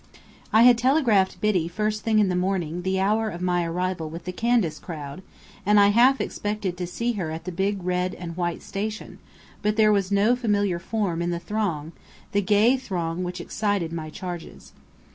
I had telegraphed Biddy first thing in the morning the hour of my arrival with the "Candace crowd," and I half expected to see her at the big white and red station, but there was no familiar form in the throng, the gay throng which excited my charges.